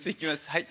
はい。